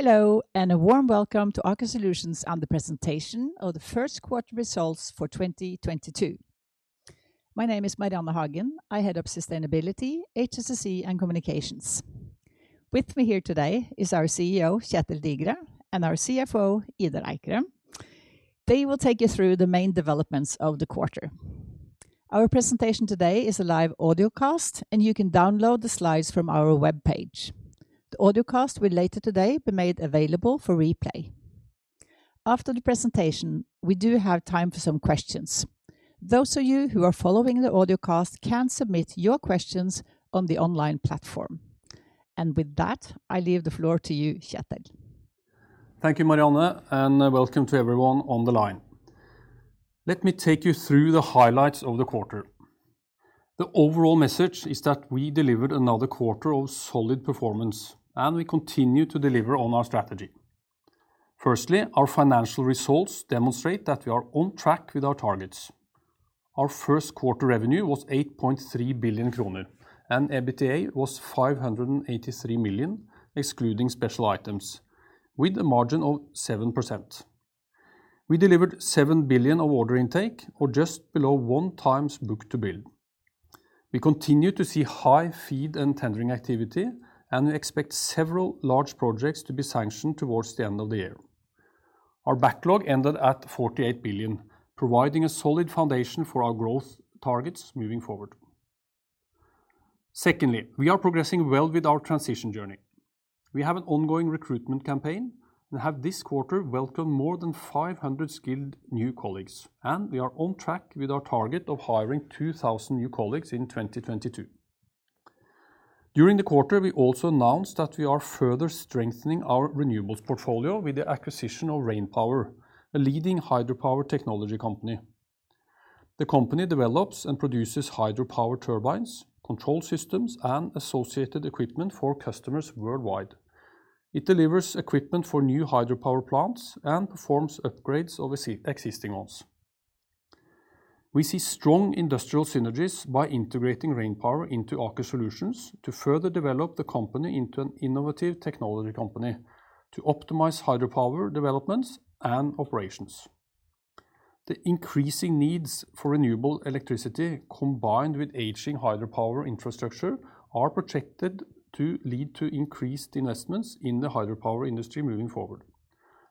Hello, and a warm welcome to Aker Solutions on the presentation of the first quarter results for 2022. My name is Marianne Hagen. I head up Sustainability, HSSE, and Communications. With me here today is our CEO, Kjetel Digre, and our CFO, Idar Eikrem. They will take you through the main developments of the quarter. Our presentation today is a live audio cast, and you can download the slides from our webpage. The audio cast will later today be made available for replay. After the presentation, we do have time for some questions. Those of you who are following the audio cast can submit your questions on the online platform. With that, I leave the floor to you, Kjetel. Thank you, Marianne, and welcome to everyone on the line. Let me take you through the highlights of the quarter. The overall message is that we delivered another quarter of solid performance, and we continue to deliver on our strategy. Firstly, our financial results demonstrate that we are on track with our targets. Our first quarter revenue was 8.3 billion kroner, and EBITDA was 583 million, excluding special items, with a margin of 7%. We delivered 7 billion of order intake or just below 1x book-to-bill. We continue to see high FEED and tendering activity, and we expect several large projects to be sanctioned towards the end of the year. Our backlog ended at 48 billion, providing a solid foundation for our growth targets moving forward. Secondly, we are progressing well with our transition journey. We have an ongoing recruitment campaign and have this quarter welcomed more than 500 skilled new colleagues, and we are on track with our target of hiring 2,000 new colleagues in 2022. During the quarter, we also announced that we are further strengthening our renewables portfolio with the acquisition of Rainpower, a leading hydropower technology company. The company develops and produces hydropower turbines, control systems, and associated equipment for customers worldwide. It delivers equipment for new hydropower plants and performs upgrades of existing ones. We see strong industrial synergies by integrating Rainpower into Aker Solutions to further develop the company into an innovative technology company to optimize hydropower developments and operations. The increasing needs for renewable electricity combined with aging hydropower infrastructure are projected to lead to increased investments in the hydropower industry moving forward,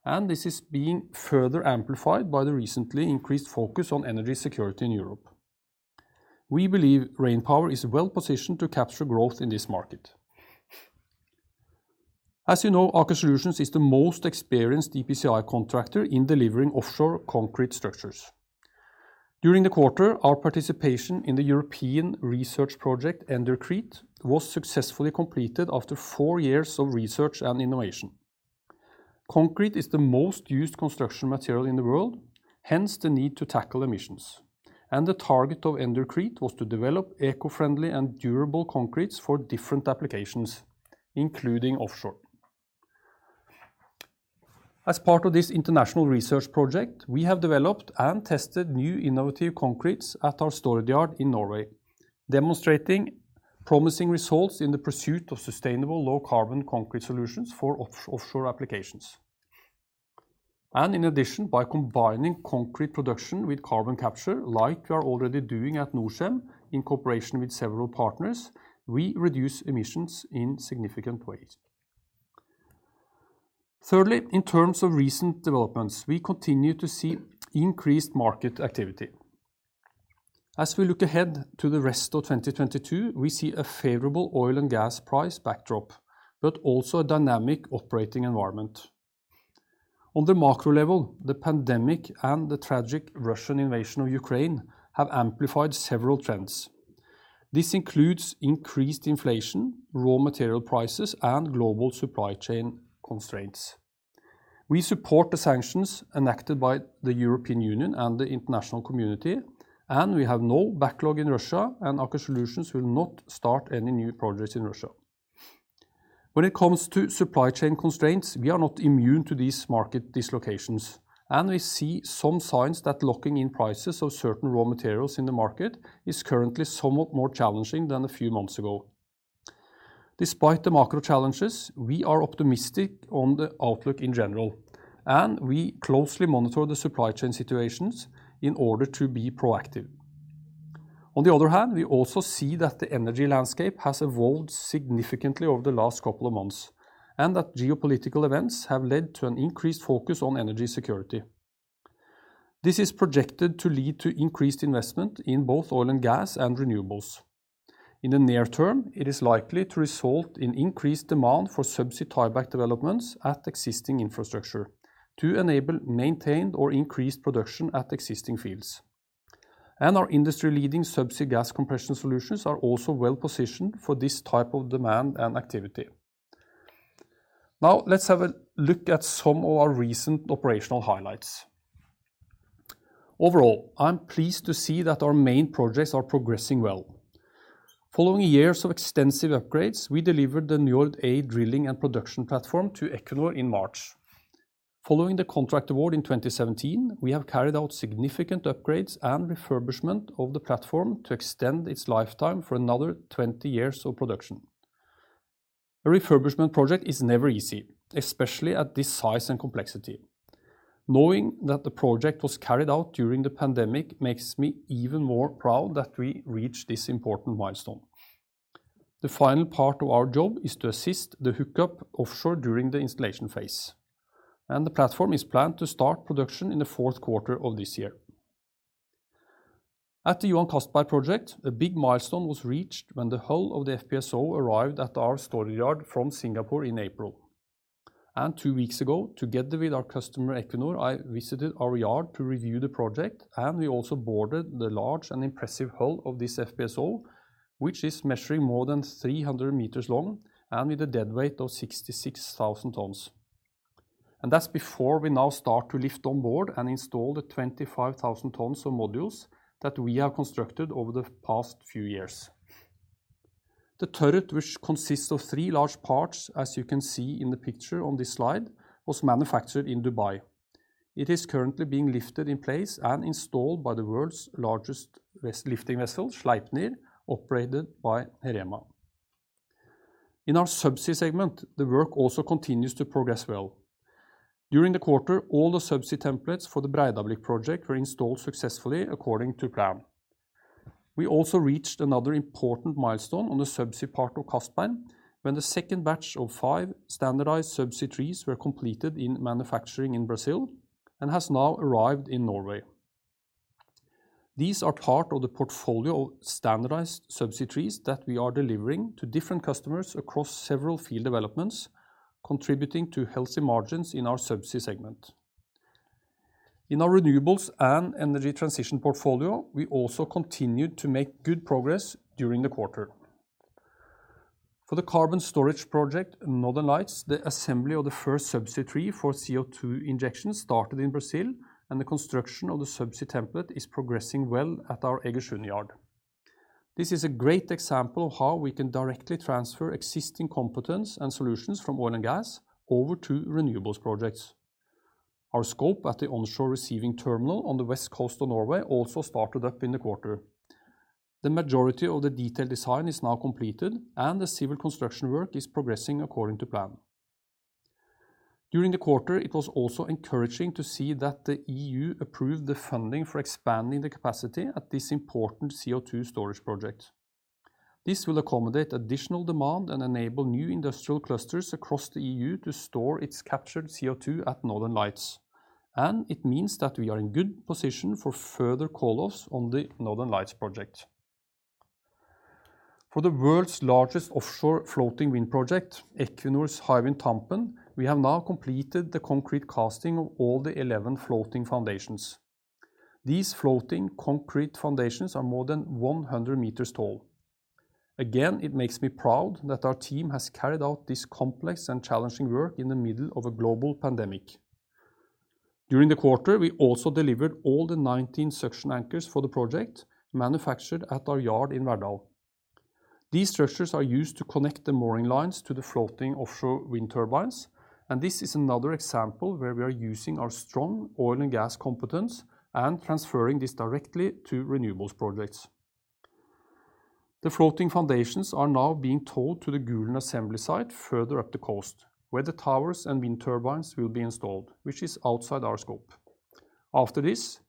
and this is being further amplified by the recently increased focus on energy security in Europe. We believe Rainpower is well positioned to capture growth in this market. As you know, Aker Solutions is the most experienced EPCI contractor in delivering offshore concrete structures. During the quarter, our participation in the European research project, EnDurCrete, was successfully completed after four years of research and innovation. Concrete is the most used construction material in the world, hence the need to tackle emissions. The target of EnDurCrete was to develop eco-friendly and durable concretes for different applications, including offshore. As part of this international research project, we have developed and tested new innovative concretes at our Stord yard in Norway, demonstrating promising results in the pursuit of sustainable low carbon concrete solutions for offshore applications. In addition, by combining concrete production with carbon capture, like we are already doing at Norcem in cooperation with several partners, we reduce emissions in significant ways. Thirdly, in terms of recent developments, we continue to see increased market activity. As we look ahead to the rest of 2022, we see a favorable oil and gas price backdrop, but also a dynamic operating environment. On the macro level, the pandemic and the tragic Russian invasion of Ukraine have amplified several trends. This includes increased inflation, raw material prices, and global supply chain constraints. We support the sanctions enacted by the European Union and the international community, and we have no backlog in Russia, and Aker Solutions will not start any new projects in Russia. When it comes to supply chain constraints, we are not immune to these market dislocations, and we see some signs that locking in prices of certain raw materials in the market is currently somewhat more challenging than a few months ago. Despite the macro challenges, we are optimistic on the outlook in general, and we closely monitor the supply chain situations in order to be proactive. On the other hand, we also see that the energy landscape has evolved significantly over the last couple of months and that geopolitical events have led to an increased focus on energy security. This is projected to lead to increased investment in both oil and gas and renewables. In the near term, it is likely to result in increased demand for subsea tieback developments at existing infrastructure to enable maintained or increased production at existing fields. Our industry-leading subsea gas compression solutions are also well-positioned for this type of demand and activity. Now let's have a look at some of our recent operational highlights. Overall, I'm pleased to see that our main projects are progressing well. Following years of extensive upgrades, we delivered the Njord A drilling and production platform to Equinor in March. Following the contract award in 2017, we have carried out significant upgrades and refurbishment of the platform to extend its lifetime for another 20 years of production. A refurbishment project is never easy, especially at this size and complexity. Knowing that the project was carried out during the pandemic makes me even more proud that we reached this important milestone. The final part of our job is to assist the hookup offshore during the installation phase, and the platform is planned to start production in the fourth quarter of this year. At the Johan Castberg project, a big milestone was reached when the hull of the FPSO arrived at our Stord yard from Singapore in April. Two weeks ago, together with our customer Equinor, I visited our yard to review the project, and we also boarded the large and impressive hull of this FPSO, which is measuring more than 300 m long and with a deadweight of 66,000 tons. That's before we now start to lift on board and install the 25,000 tons of modules that we have constructed over the past few years. The turret, which consists of three large parts, as you can see in the picture on this slide, was manufactured in Dubai. It is currently being lifted in place and installed by the world's largest lifting vessel, Sleipnir, operated by Heerema. In our Subsea segment, the work also continues to progress well. During the quarter, all the subsea templates for the Breidablikk project were installed successfully according to plan. We also reached another important milestone on the subsea part of Castberg when the second batch of five standardized subsea trees were completed in manufacturing in Brazil and has now arrived in Norway. These are part of the portfolio of standardized subsea trees that we are delivering to different customers across several field developments, contributing to healthy margins in our Subsea segment. In our renewables and energy transition portfolio, we also continued to make good progress during the quarter. For the carbon storage project Northern Lights, the assembly of the first subsea tree for CO2 injections started in Brazil, and the construction of the subsea template is progressing well at our Egersund yard. This is a great example of how we can directly transfer existing competence and solutions from oil and gas over to renewables projects. Our scope at the onshore receiving terminal on the West Coast of Norway also started up in the quarter. The majority of the detailed design is now completed, and the civil construction work is progressing according to plan. During the quarter, it was also encouraging to see that the EU approved the funding for expanding the capacity at this important CO2 storage project. This will accommodate additional demand and enable new industrial clusters across the EU to store its captured CO2 at Northern Lights, and it means that we are in good position for further call-offs on the Northern Lights project. For the world's largest offshore floating wind project, Equinor's Hywind Tampen, we have now completed the concrete casting of all the 11 floating foundations. These floating concrete foundations are more than 100 m tall. Again, it makes me proud that our team has carried out this complex and challenging work in the middle of a global pandemic. During the quarter, we also delivered all the 19 suction anchors for the project manufactured at our yard in Verdal. These structures are used to connect the mooring lines to the floating offshore wind turbines, and this is another example where we are using our strong oil and gas competence and transferring this directly to renewables projects. The floating foundations are now being towed to the Gulen assembly site further up the coast, where the towers and wind turbines will be installed, which is outside our scope. After this,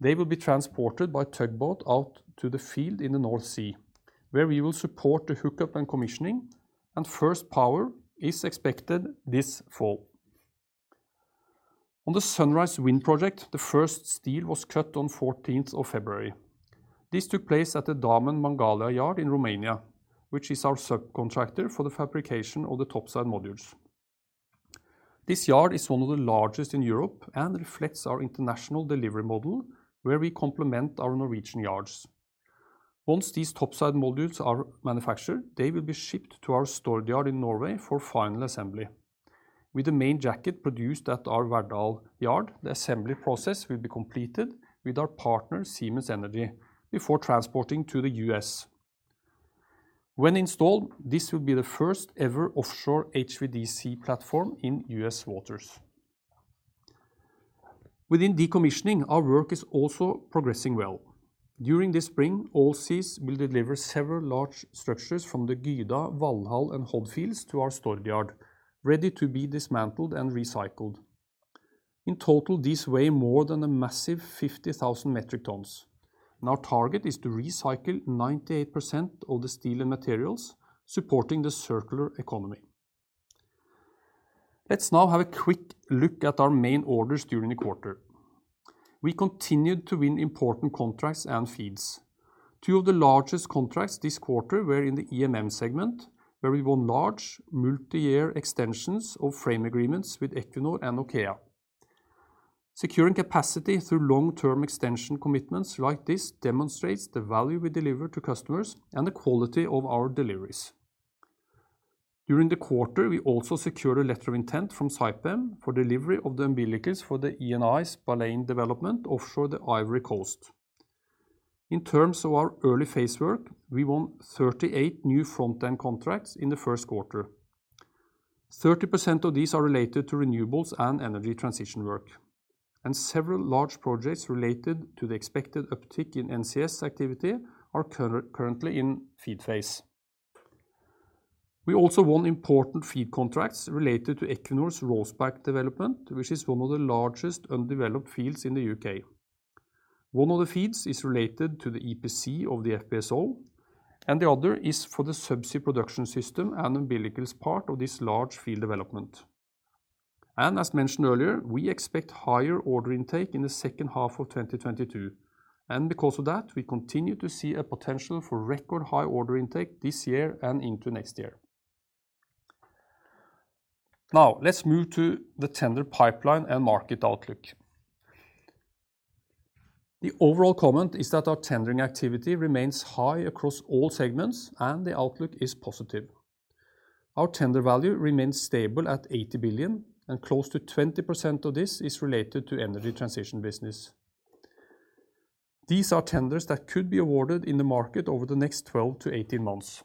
they will be transported by tugboat out to the field in the North Sea, where we will support the hookup and commissioning, and first power is expected this fall. On the Sunrise Wind project, the first steel was cut on 14th of February. This took place at the Damen Mangalia yard in Romania, which is our subcontractor for the fabrication of the topside modules. This yard is one of the largest in Europe and reflects our international delivery model, where we complement our Norwegian yards. Once these topside modules are manufactured, they will be shipped to our Stord yard in Norway for final assembly. With the main jacket produced at our Verdal yard, the assembly process will be completed with our partner Siemens Energy before transporting to the U.S. When installed, this will be the first ever offshore HVDC platform in U.S. waters. Within decommissioning, our work is also progressing well. During this spring, Allseas will deliver several large structures from the Gyda, Valhall, and Hod fields to our Stord yard, ready to be dismantled and recycled. In total, these weigh more than a massive 50,000 metric tons, and our target is to recycle 98% of the steel and materials supporting the circular economy. Let's now have a quick look at our main orders during the quarter. We continued to win important contracts and feeds. Two of the largest contracts this quarter were in the EMM segment, where we won large multi-year extensions of frame agreements with Equinor and OKEA. Securing capacity through long-term extension commitments like this demonstrates the value we deliver to customers and the quality of our deliveries. During the quarter, we also secured a letter of intent from Saipem for delivery of the umbilicals for the Eni's Baleine development offshore the Ivory Coast. In terms of our early phase work, we won 38 new front-end contracts in the first quarter. 30% of these are related to renewables and energy transition work, and several large projects related to the expected uptick in NCS activity are currently in FEED phase. We also won important FEED contracts related to Equinor's Rosebank development, which is one of the largest undeveloped fields in the U.K. One of the FEEDs is related to the EPC of the FPSO, and the other is for the subsea production system and umbilicals part of this large field development. As mentioned earlier, we expect higher order intake in the second half of 2022, and because of that, we continue to see a potential for record high order intake this year and into next year. Now, let's move to the tender pipeline and market outlook. The overall comment is that our tendering activity remains high across all segments, and the outlook is positive. Our tender value remains stable at 80 billion, and close to 20% of this is related to energy transition business. These are tenders that could be awarded in the market over the next 12-18 months.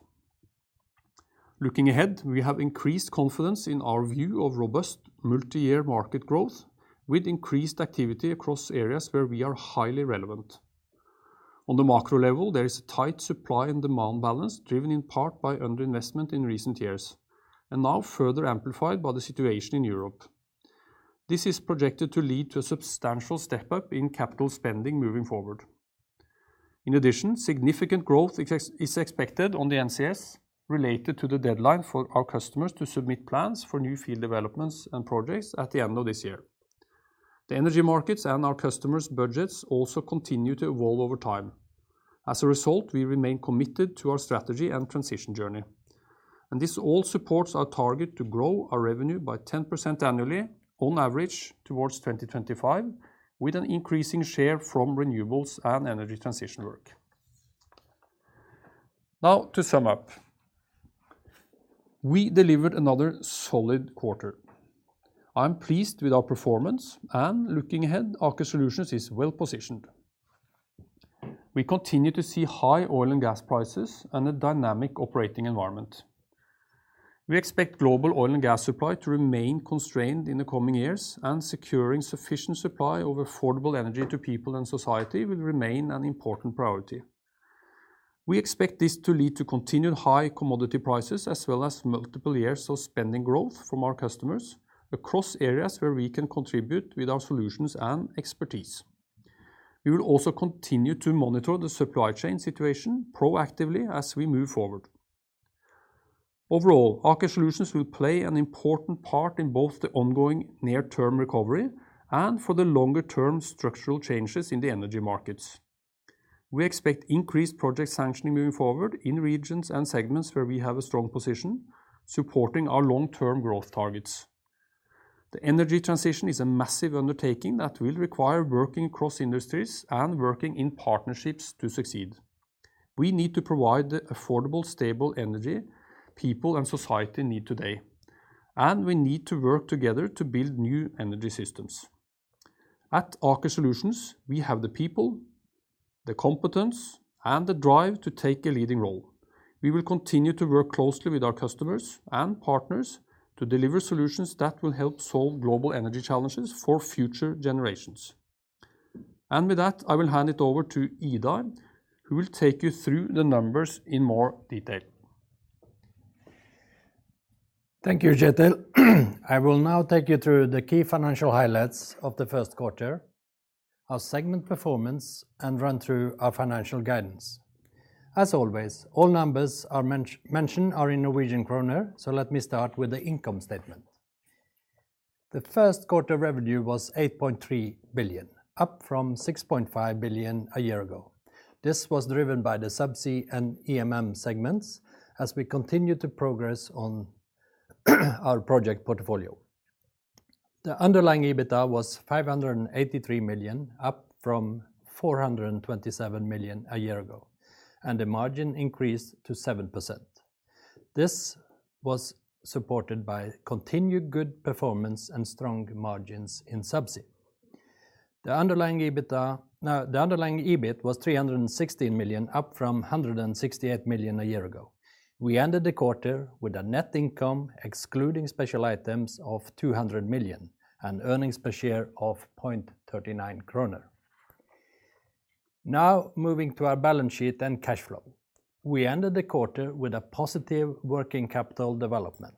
Looking ahead, we have increased confidence in our view of robust multi-year market growth with increased activity across areas where we are highly relevant. On the macro level, there is a tight supply and demand balance driven in part by underinvestment in recent years and now further amplified by the situation in Europe. This is projected to lead to a substantial step-up in capital spending moving forward. In addition, significant growth is expected on the NCS related to the deadline for our customers to submit plans for new field developments and projects at the end of this year. The energy markets and our customers' budgets also continue to evolve over time. As a result, we remain committed to our strategy and transition journey, and this all supports our target to grow our revenue by 10% annually on average towards 2025 with an increasing share from renewables and energy transition work. Now to sum up, we delivered another solid quarter. I am pleased with our performance, and looking ahead, Aker Solutions is well-positioned. We continue to see high oil and gas prices and a dynamic operating environment. We expect global oil and gas supply to remain constrained in the coming years, and securing sufficient supply of affordable energy to people and society will remain an important priority. We expect this to lead to continued high commodity prices, as well as multiple years of spending growth from our customers across areas where we can contribute with our solutions and expertise. We will also continue to monitor the supply chain situation proactively as we move forward. Overall, Aker Solutions will play an important part in both the ongoing near-term recovery and for the longer-term structural changes in the energy markets. We expect increased project sanctioning moving forward in regions and segments where we have a strong position, supporting our long-term growth targets. The energy transition is a massive undertaking that will require working across industries and working in partnerships to succeed. We need to provide the affordable, stable energy people and society need today, and we need to work together to build new energy systems. At Aker Solutions, we have the people, the competence, and the drive to take a leading role. We will continue to work closely with our customers and partners to deliver solutions that will help solve global energy challenges for future generations. With that, I will hand it over to Idar, who will take you through the numbers in more detail. Thank you, Kjetel. I will now take you through the key financial highlights of the first quarter, our segment performance, and run through our financial guidance. As always, all numbers mentioned are in Norwegian kroner, so let me start with the income statement. The first quarter revenue was 8.3 billion, up from 6.5 billion a year ago. This was driven by the Subsea and EMM segments as we continue to progress on our project portfolio. The underlying EBITDA was 583 million, up from 427 million a year ago, and the margin increased to 7%. This was supported by continued good performance and strong margins in Subsea. The underlying EBIT was 316 million, up from 168 million a year ago. We ended the quarter with a net income excluding special items of 200 million and earnings per share of 0.39 kroner. Now moving to our balance sheet and cash flow. We ended the quarter with a positive working capital development.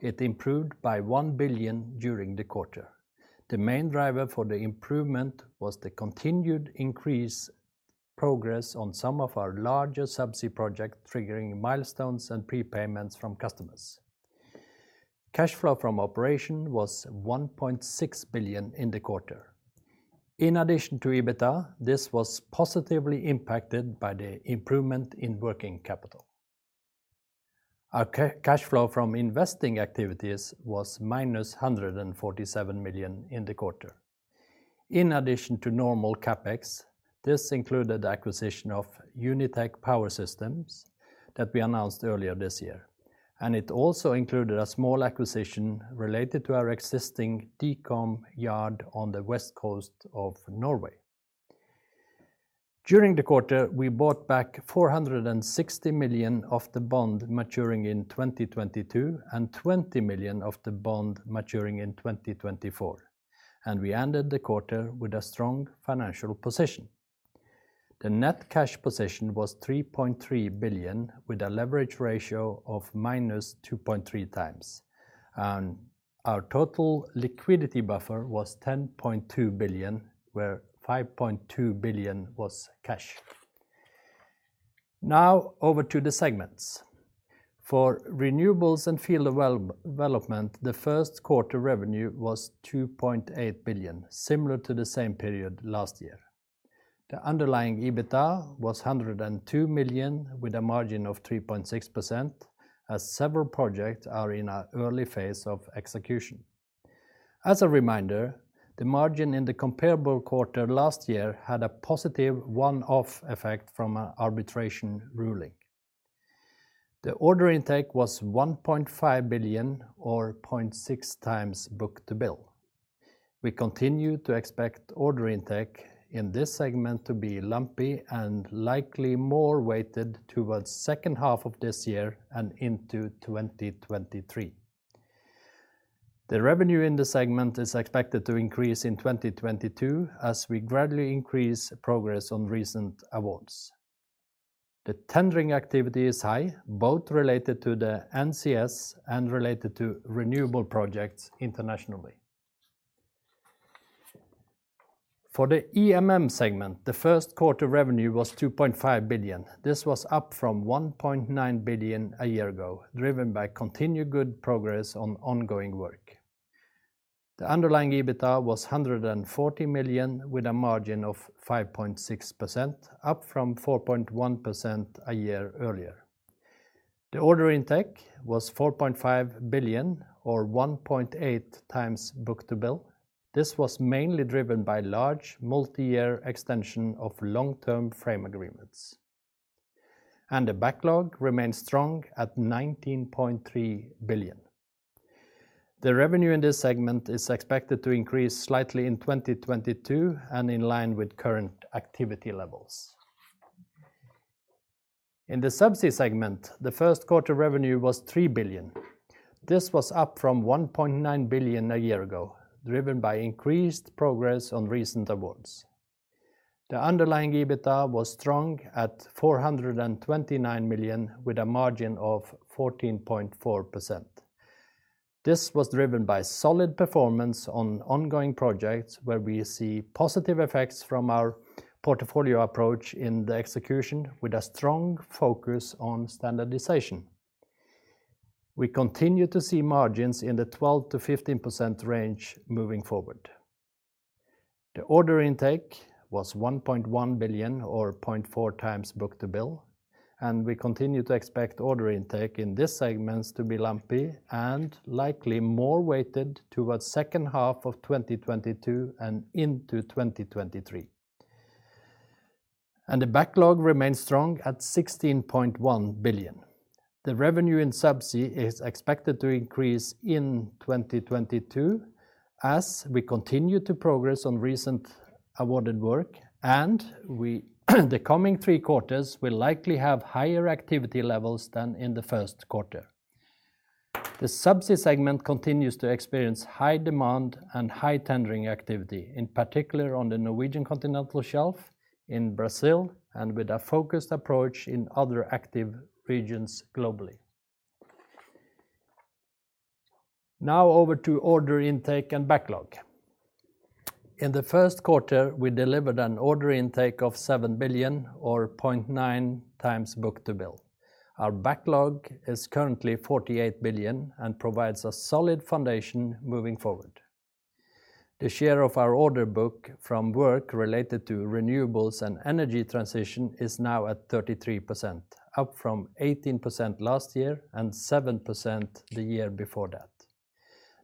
It improved by 1 billion during the quarter. The main driver for the improvement was the continued increased progress on some of our larger Subsea projects, triggering milestones and prepayments from customers. Cash flow from operations was 1.6 billion in the quarter. In addition to EBITDA, this was positively impacted by the improvement in working capital. Our cash flow from investing activities was -147 million in the quarter. In addition to normal CapEx, this included the acquisition of Unitech Power Systems that we announced earlier this year. It also included a small acquisition related to our existing decom yard on the West Coast of Norway. During the quarter, we bought back 460 million of the bond maturing in 2022, and 20 million of the bond maturing in 2024, and we ended the quarter with a strong financial position. The net cash position was 3.3 billion, with a leverage ratio of -2.3x, and our total liquidity buffer was 10.2 billion, where 5.2 billion was cash. Now over to the segments. For renewables and field development, the first quarter revenue was 2.8 billion, similar to the same period last year. The underlying EBITDA was 102 million, with a margin of 3.6%, as several projects are in an early phase of execution. As a reminder, the margin in the comparable quarter last year had a positive one-off effect from an arbitration ruling. The order intake was 1.5 billion, or 0.6x book-to-bill. We continue to expect order intake in this segment to be lumpy and likely more weighted towards second half of this year and into 2023. The revenue in this segment is expected to increase in 2022 as we gradually increase progress on recent awards. The tendering activity is high, both related to the NCS and related to renewable projects internationally. For the EMM segment, the first quarter revenue was 2.5 billion. This was up from 1.9 billion a year ago, driven by continued good progress on ongoing work. The underlying EBITDA was 140 million, with a margin of 5.6%, up from 4.1% a year earlier. The order intake was 4.5 billion, or 1.8x book-to-bill. This was mainly driven by large multi-year extension of long-term frame agreements. The backlog remains strong at 19.3 billion. The revenue in this segment is expected to increase slightly in 2022 and in line with current activity levels. In the Subsea segment, the first quarter revenue was 3 billion. This was up from 1.9 billion a year ago, driven by increased progress on recent awards. The underlying EBITDA was strong at 429 million, with a margin of 14.4%. This was driven by solid performance on ongoing projects where we see positive effects from our portfolio approach in the execution, with a strong focus on standardization. We continue to see margins in the 12%-15% range moving forward. The order intake was 1.1 billion, or 0.4x book-to-bill, and we continue to expect order intake in these segments to be lumpy and likely more weighted towards second half of 2022 and into 2023. The backlog remains strong at 16.1 billion. The revenue in Subsea is expected to increase in 2022 as we continue to progress on recent awarded work, and the coming three quarters will likely have higher activity levels than in the first quarter. The Subsea segment continues to experience high demand and high tendering activity, in particular on the Norwegian Continental Shelf, in Brazil, and with a focused approach in other active regions globally. Now over to order intake and backlog. In the first quarter, we delivered an order intake of 7 billion, or 0.9x book-to-bill. Our backlog is currently 48 billion and provides a solid foundation moving forward. The share of our order book from work related to renewables and energy transition is now at 33%, up from 18% last year and 7% the year before that.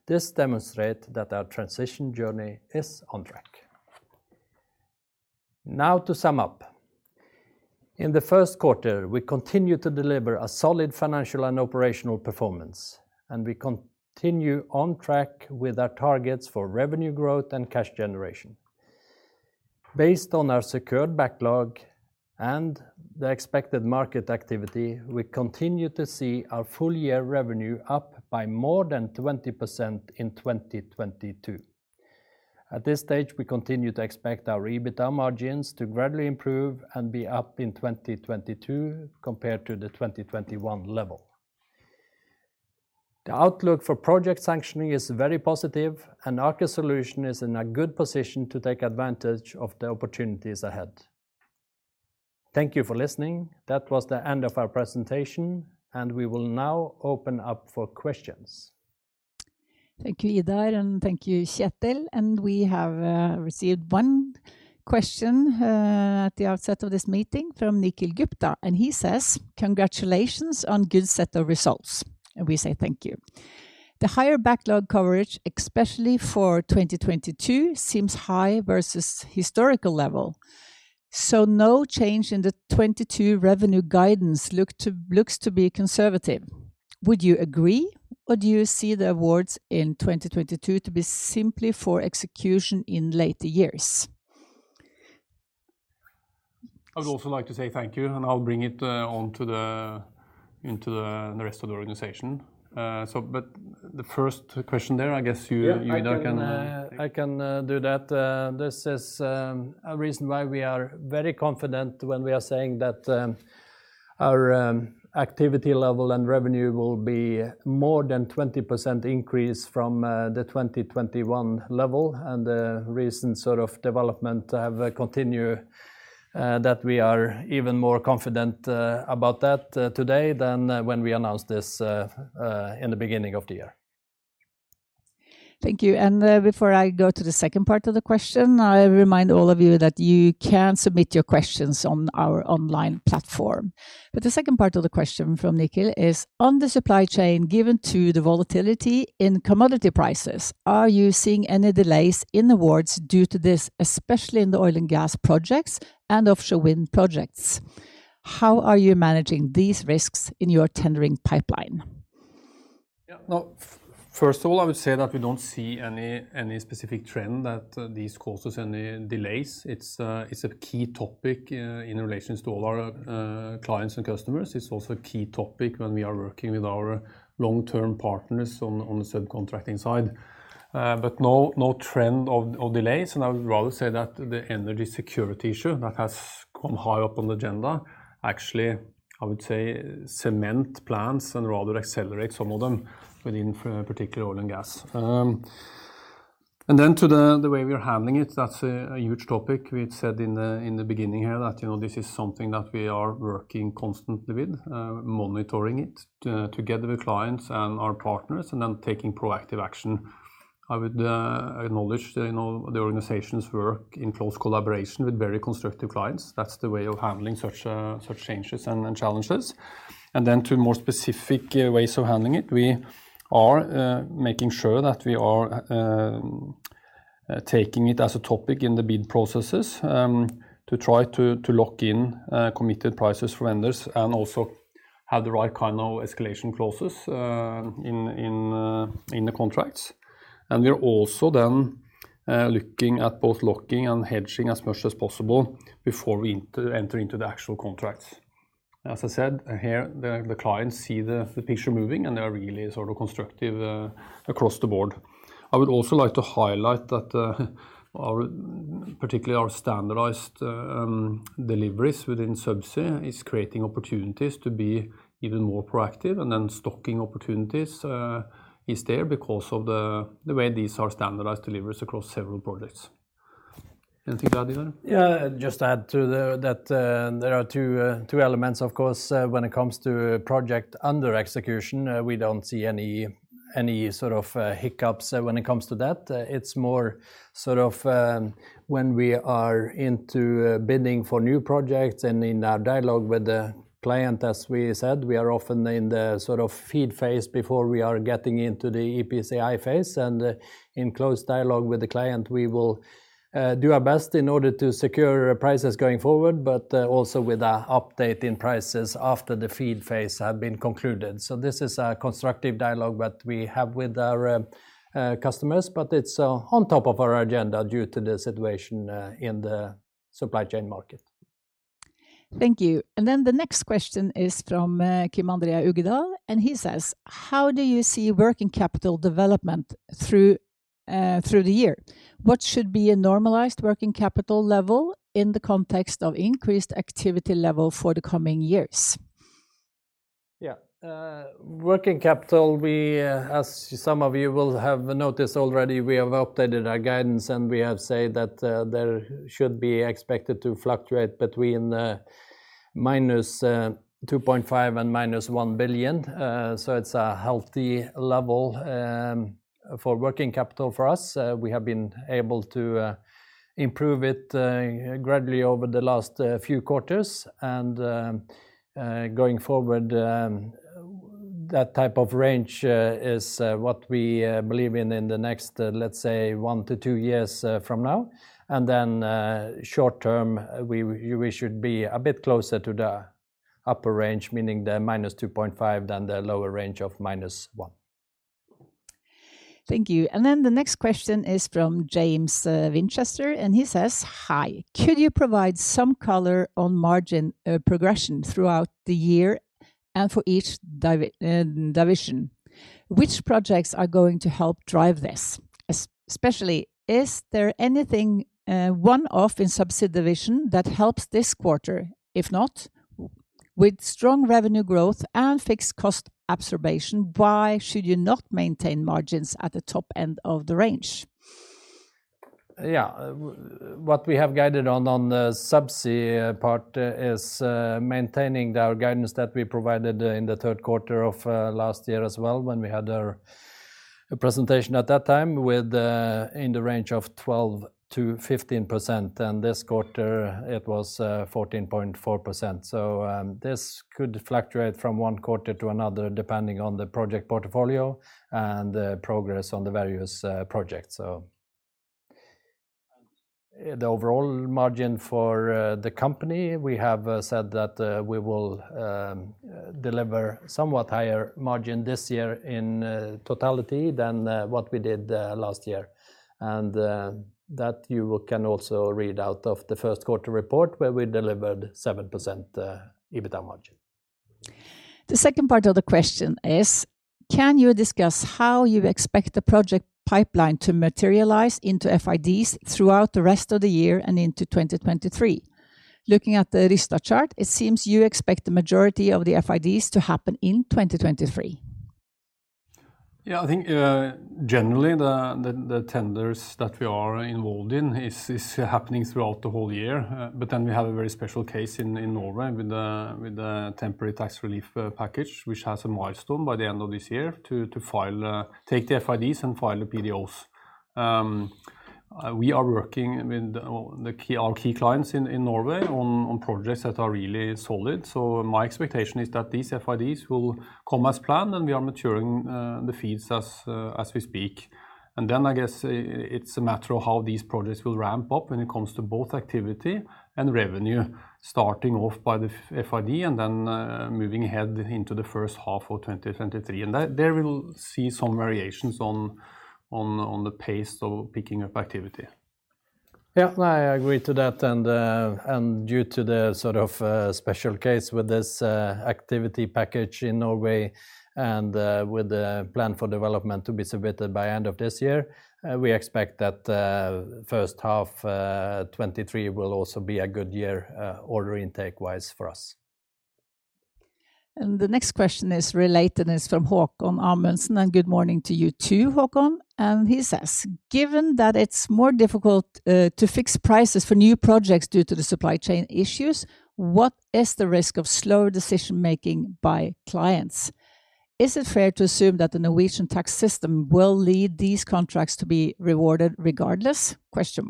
This demonstrate that our transition journey is on track. Now to sum up. In the first quarter, we continued to deliver a solid financial and operational performance, and we continue on track with our targets for revenue growth and cash generation. Based on our secured backlog and the expected market activity, we continue to see our full-year revenue up by more than 20% in 2022. At this stage, we continue to expect our EBITDA margins to gradually improve and be up in 2022 compared to the 2021 level. The outlook for project sanctioning is very positive, and Aker Solutions is in a good position to take advantage of the opportunities ahead. Thank you for listening. That was the end of our presentation, and we will now open up for questions. Thank you, Idar, and thank you, Kjetel. We have received one question at the outset of this meeting from Nikhil Gupta, and he says, "Congratulations on good set of results." We say thank you. "The higher backlog coverage, especially for 2022, seems high versus historical level. So no change in the 2022 revenue guidance looks to be conservative. Would you agree, or do you see the awards in 2022 to be simply for execution in later years? I would also like to say thank you, and I'll bring it into the rest of the organization. The first question there, I guess you- Yeah you now can I can do that. This is a reason why we are very confident when we are saying that our activity level and revenue will be more than 20% increase from the 2021 level, and the recent sort of development have continue that we are even more confident about that today than when we announced this in the beginning of the year. Thank you. Before I go to the second part of the question, I remind all of you that you can submit your questions on our online platform. The second part of the question from Nikhil is, on the supply chain, given to the volatility in commodity prices, are you seeing any delays in awards due to this, especially in the oil and gas projects and offshore wind projects? How are you managing these risks in your tendering pipeline? Yeah. Now, first of all, I would say that we don't see any specific trend that this causes any delays. It's a key topic in relation to all our clients and customers. It's also a key topic when we are working with our long-term partners on the subcontracting side. No trend of delays, and I would rather say that the energy security issue that has come high up on the agenda actually, I would say, cements plans and rather accelerates some of them within particular oil and gas. To the way we are handling it, that's a huge topic. We had said in the beginning here that, you know, this is something that we are working constantly with, monitoring it together with clients and our partners and then taking proactive action. I would acknowledge the, you know, the organization's work in close collaboration with very constructive clients. That's the way of handling such changes and challenges. To more specific ways of handling it, we are making sure that we are taking it as a topic in the bid processes, to try to lock in committed prices from vendors and also have the right kind of escalation clauses in the contracts. We're also looking at both locking and hedging as much as possible before we enter into the actual contracts. As I said here, the clients see the picture moving, and they are really sort of constructive across the board. I would also like to highlight that, particularly our standardized deliveries within Subsea is creating opportunities to be even more proactive, and then stocking opportunities is there because of the way these are standardized deliveries across several projects. Anything to add, Idar? Yeah. Just add to that, there are two elements, of course, when it comes to project under execution. We don't see any sort of hiccups when it comes to that. It's more sort of when we are into bidding for new projects and in our dialogue with the client, as we said, we are often in the sort of FEED phase before we are getting into the EPCI phase and in close dialogue with the client, we will do our best in order to secure prices going forward, but also with an update in prices after the FEED phase have been concluded. This is a constructive dialogue that we have with our customers, but it's on top of our agenda due to the situation in the supply chain market. Thank you. The next question is from Kim André Uggedal, and he says, "How do you see working capital development through the year? What should be a normalized working capital level in the context of increased activity level for the coming years? Yeah. Working capital, we as some of you will have noticed already, we have updated our guidance, and we have said that there should be expected to fluctuate between -2.5 billion and -1 billion. So it's a healthy level for working capital for us. We have been able to improve it gradually over the last few quarters and going forward that type of range is what we believe in, in the next, let's say, one to two years from now. Short term, we should be a bit closer to the upper range, meaning the -2.5 billion than the lower range of -1 billion. Thank you. The next question is from James Winchester, and he says, "Hi. Could you provide some color on margin progression throughout the year and for each division? Which projects are going to help drive this? Especially, is there anything one-off in Subsea division that helps this quarter? If not, with strong revenue growth and fixed cost absorption, why should you not maintain margins at the top end of the range? Yeah. What we have guided on the Subsea part is maintaining our guidance that we provided in the third quarter of last year as well when we had our presentation at that time with in the range of 12%-15%, and this quarter it was 14.4%. This could fluctuate from one quarter to another, depending on the project portfolio and the progress on the various projects. The overall margin for the company, we have said that we will deliver somewhat higher margin this year in totality than what we did last year and that you can also read out of the first quarter report where we delivered 7% EBITDA margin. The second part of the question is, can you discuss how you expect the project pipeline to materialize into FIDs throughout the rest of the year and into 2023? Looking at the Rystad chart, it seems you expect the majority of the FIDs to happen in 2023. Yeah, I think generally the tenders that we are involved in is happening throughout the whole year. We have a very special case in Norway with the temporary tax relief package, which has a milestone by the end of this year to take the FIDs and file the PDOs. We are working with our key clients in Norway on projects that are really solid. My expectation is that these FIDs will come as planned and we are maturing the FEEDs as we speak. I guess it's a matter of how these projects will ramp up when it comes to both activity and revenue starting off by the FID and then moving ahead into the first half of 2023. That, there we will see some variations on the pace of picking up activity. Yeah. I agree to that. Due to the sort of special case with this activity package in Norway and with the plan for development to be submitted by end of this year, we expect that first half 2023 will also be a good year order intake-wise for us. The next question is related, it's from Haakon Amundsen, and good morning to you too, Haakon. He says, "Given that it's more difficult to fix prices for new projects due to the supply chain issues, what is the risk of slower decision-making by clients? Is it fair to assume that the Norwegian tax system will lead these contracts to be rewarded regardless? Yeah,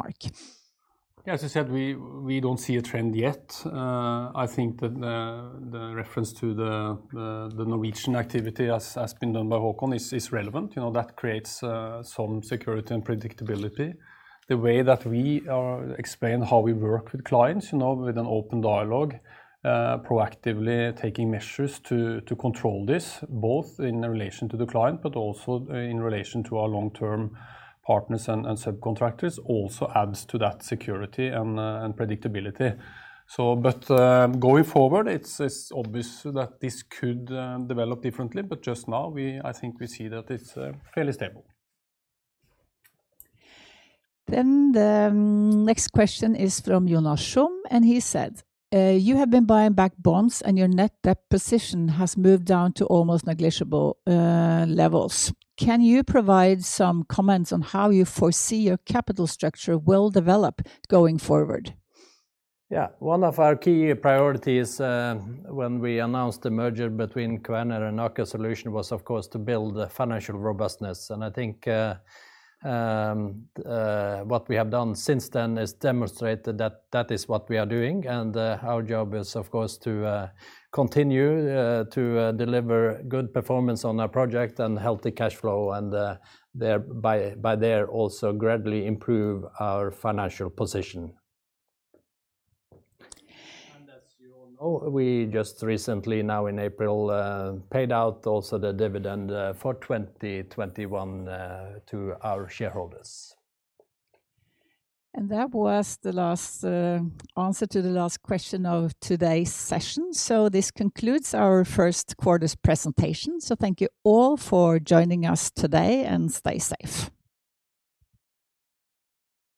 as I said, we don't see a trend yet. I think that the reference to the Norwegian activity as has been done by Haakon is relevant. You know, that creates some security and predictability. The way that we explain how we work with clients, you know, with an open dialogue, proactively taking measures to control this, both in relation to the client but also in relation to our long-term partners and subcontractors also adds to that security and predictability. Going forward, it's obvious that this could develop differently, but just now, I think we see that it's fairly stable. The next question is from Jonas Shum, and he says, "You have been buying back bonds and your net debt position has moved down to almost negligible levels. Can you provide some comments on how you foresee your capital structure will develop going forward? Yeah. One of our key priorities, when we announced the merger between Kvaerner and Aker Solutions was, of course, to build the financial robustness. I think what we have done since then has demonstrated that that is what we are doing. Our job is, of course, to continue to deliver good performance on our project and healthy cash flow and thereby also gradually improve our financial position. As you all know, we just recently now in April paid out also the dividend for 2021 to our shareholders. That was the last answer to the last question of today's session. This concludes our first quarter's presentation. Thank you all for joining us today, and stay safe.